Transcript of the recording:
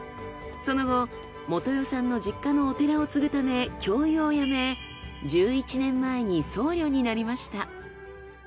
その後基代さんの実家のお寺を継ぐため教諭を辞め１１年前に僧侶になりました。